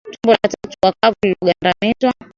Tumbo la tatu huwa kavu na lililogandamizwa